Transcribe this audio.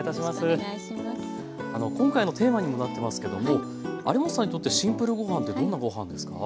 今回のテーマにもなってますけども有元さんにとって「シンプルごはん」ってどんな「ごはん」ですか？